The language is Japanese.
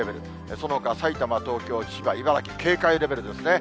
そのほか、埼玉、東京、千葉、茨城、警戒レベルですね。